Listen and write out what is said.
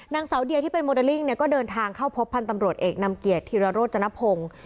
นางสาวเดียที่เป็นโมเดลลิ่งเนี่ยก็เดินทางเข้าพบพันธ์ตำรวจเอกนำเกียรติธิรโรจนพงศ์